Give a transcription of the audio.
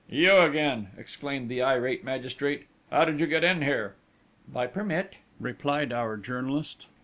"You again!" exclaimed the irate magistrate: "How did you get in here?" "By permit," replied our journalist.